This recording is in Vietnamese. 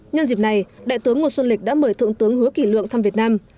nhân dịp này đại tướng ngô xuân lịch đã mời thượng tướng hứa kỷ lượng thăm việt nam